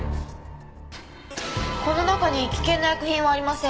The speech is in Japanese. この中に危険な薬品はありません。